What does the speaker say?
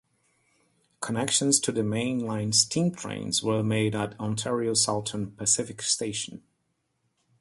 Connections to main line steam trains were made at Ontario Southern Pacific Station.